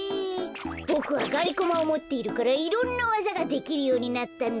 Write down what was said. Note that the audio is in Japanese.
ボクはがりコマをもっているからいろんなわざができるようになったんだ。